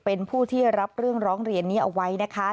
เป็นผู้ที่รับเรื่องร้องเรียนนี้เอาไว้นะคะ